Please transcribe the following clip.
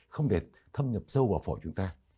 không để thâm nhập sâu vào phổi chúng ta